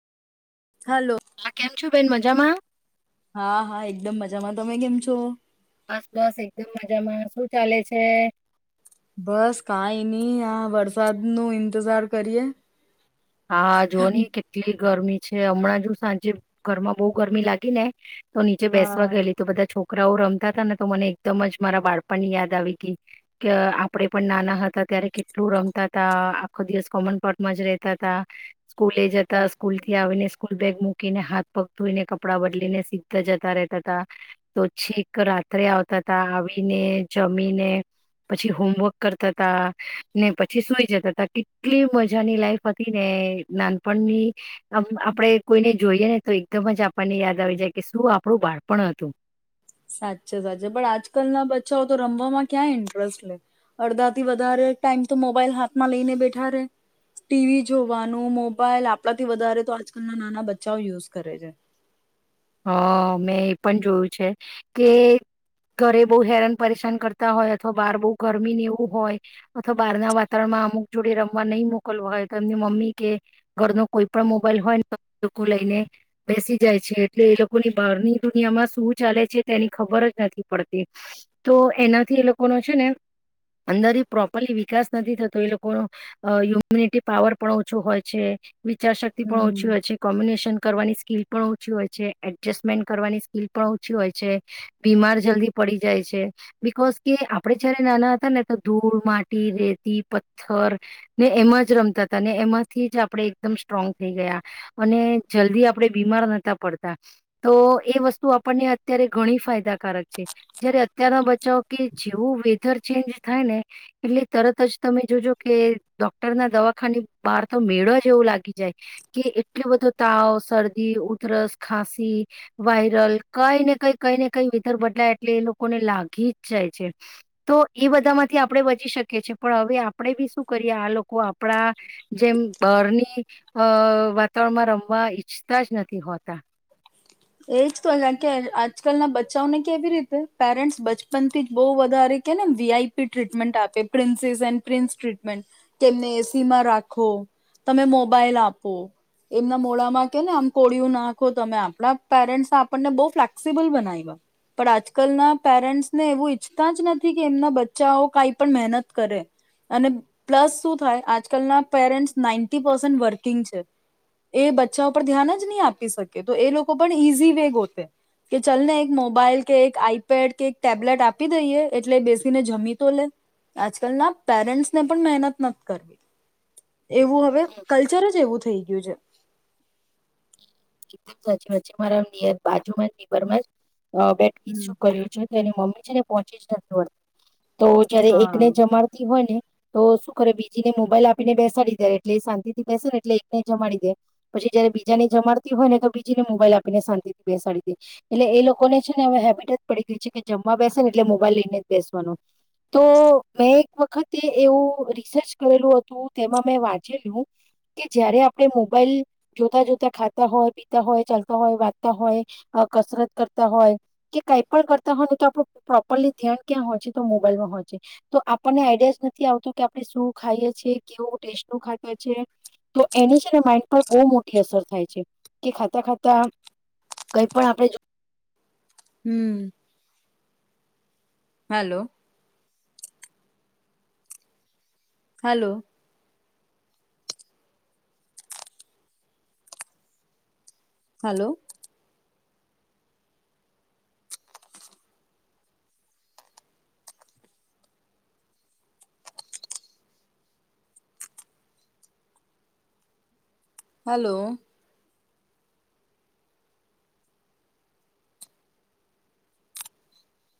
Hello બેેન મજામાં? હા હા એકદમ મજામાં. તમે કેમ છો? બસ બસ એકદમ મજામાં. શું ચાલે છે? બસ કાંઈ નઇ વરસાદ નું ઈંતજાર કરીએ. હા જોની કેટલી ગરમી છે હમણાં જો સાંજે ઘરમાં બહુ ગરમી લાગી ને તો નીચે બેસવા હા ગયેલી તો બધા છોક છોકરાઓ રમતા તા ને તો મને એકદમ જ મારા બાળપણની યાદ આવી ગી. કે આપડે પણ નાના હતા ત્યારે કેટલું રમતા તા આખો દિવસ કોમન પ્લોટમાં જ રેતા તા સ્કૂલે જતા સાચે સ્કૂલથી આવીને સ્કૂલ બેગ મુક મૂકીને હાથ પગ ધોઈને કપડાં બદલીને સીધા જતા રેતા તા, તો છેક રાત્રે આવતા તા, આવીને જમીને પછી હોમવર્ક કરતા તા, ને પછી સુઈ જતા તા, કેટલી મજાની લાઈફ હત. હતી ને નાનપણની આમ આપણે કોઈને જોઈએ ને તો એકદમ જ આપણને યાદ આવી જાય કે શું આપણું બાળપણ હતું. સાચે સાચે પણ આજકાલના બચ્ચાઓ તો રમવામાં ક્યાં ઇન્ટરેસ્ટ લે અડધા થી વધારે ટાઈમ તો મોબાઈલ હાથમાં લઈને બેઠા રે ટીવી જોવાનું મોબાઈલ આપડાથી વધારે તો આજકાલ નાના બચ્ચાઓ યુસ કરે છે. હ મેં એ પણ જોયું છે કે ઘરે બહુ હેરાન પરેશાન કરતા હોય અથવા બહાર બહુ ગરમીને એવું હોય અથવા બહારના વાતાવરણમાં અમુક જોડે રમવા નહી મોકલવું હોય તો એમની મમ્મી કે ઘરનો કોઈ પણ મોબાઈલ હોયને તો ઈ લોકો લઈને બેસી જાય છે. એટલે એ લોકોની બહારની દુનિયામાં શું ચાલે છે તેની ખબર જ નથી પડતી. તો એનાથી એ લોકોનો છે ને અંદર પ્રોપરલી વિકાસ નથી થતો એ લોકોનો હયુમ્યુનિટી પાવર પણ ઓછો હોય છે. વિચાર શક્તિ પણ હમ્મ ઓછી હોય છે. કોમ્બિનેશન કરવાની સ્કીલ પણ ઓછી હોય છે. છે. એડજસ્ટમેન્ટ કરવાની સ્કીલ પણ ઓછી હોય છે, બીમાર જલ્દી પડી જાય છે, બિકોઝ કે આપણેે જયારે નાના હતા ને તો ધૂળ, માટી, રેતી, પથ્થર ને એમાં જ રમતા તા ને એમાંથી જ આપણે એકદમ સ્ટ્રોંગ થઈ ગયા અને જલ્દી આપણે બીમાર નતા પડતા તો એ વસ્તુ આપણને અત્યારે ઘણી ફાયદાકારક છે. જયારે અત્યારના બચ્ચાઓ કે જેવું વેધર ચેન્જ થાય ને એટલે તરત જ તમે જોજો કે ડોક્ટરના દવાખાની બહાર તો મેળા જેવું લાગી જાય કે એટલો બધો તાવ, શરદી, ઉધરસ ખાંસી વાયરલ કઈ ને કઈ કઈ ને કઈ વેધર બદલાય એટલે એ લોકોને લાગી જ જાય છે. તો એ બધામાંથી આપણેે બચી શકીએ છીએ. પણ હવે આપણે બી શું કરીએ આ લોકો આપણા જેમ બરની અ વાતાવરણમાં રમવા ઈચ્છતા જ નથી હોતા. એજ તો એમ કે આજકલના બચ્ચાઓને કેવી રીતે પેરેન્ટ્સ બચપન થી જ બહુ વધારે કેને વી આઈ પી ટ્રીટમેન્ટ આપે પ્રિન્સીસ એન પ્રિન્સ ટ્રીટમેન્ટ કે તેમને એ સી માં રાખો, તમે મોબાઈલ આપો, એમના મોડામાં કેને આમ કોળિયું નાખો, તમે આપણા પેરેન્ટ્ આપણને બહુ ફ્લેક્સિબલ બનાવ્યા. પણ આજકાલના પેરેન્ટ્સ ને એવું ઈચ્છતા જ નથી કે એમના બચ્ચાઓ કાંઈ પણ મહેનત કરે અને પ્લસ શું થાય આજકાલના પેરેન્ટ્સ નાઈન્ટી પર્સન વર્કિંગ છે. એ બચ્ચા ઉપર ધ્યાન જ નહી આપી શકે. તો એ લોક કો પણ ઈઝી વે ગોતે કે ચલ ને એક મોબાઈલ કે, એક આઈપેડ કે, એક ટેબ્લેટ આપી દઈએ એટલે બેસીને જમી તો લે. આજકાલ ના પેરેન્ટ્સને પણ મહેનત નત કરવી એવું હવે કલ્ચર જ એવું થઈ ગયું છે. એકદમ સાચી વાત છે. મારા નીયર બાજુમાં જ નીબરમાં જ અ બેટકી હમ શું કર્યું છે તેની મ્મ મ્મી છે ને પહોંચી જ નથી વળતી. તો જયારે હા એકને જમાડતી હોય ને. તો શું કરે બીજીને મોબાઈલ આપીને બેસાડી દે એટલે એ શાંતિથી બેસે ને એટલે એકને જમાડી દે પછી જયારે બીજાને જમાડ તી હોય ને તો બીજીને મોબાઈલ આપીને શાંતિ થી બેસાડી દે. એટલે એ લોકોને છે ને હવે હેબિટ જ પડી ગઈ છે કે જમવા બેસે ને એટલે મોબાઈલ લઈને જ બેસવાનો. તો મેં એક વખતે એવું રિસર્ચ કરેલું હતું તેમાં મેં વાંચેલું કે જયારે આપણે મોબાઈલ જોતા જોતા ખા તા હોય, પીતા હોય, ચાલતા હોય, વાંચતા હોય, અ કસરત કરતા હોય, કે કાંઈ પણ કરતા હોયને તો આપણું પ્રોપરલી ધ્યાન ક્યાં હોય છે તો મોબાઈલમાં હોય છે. તો આપણને આઈડિયાઝ નથી આવતો કે આપણે શું ખાઈએ છીએ, કેવું ટેસ્ટું ખાતું છે તો એની છે ને માઈન્ડ પર બહુ મોટી અસર થાય છે. કે ખાતા ખાતા કંઈ પણ આપણે હમ્મ. હલો. હલો. હલો. હલો.